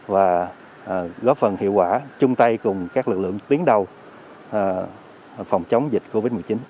và góp phần hiệu quả chung tay cùng các lực lượng tiến đầu phòng chống dịch covid một mươi chín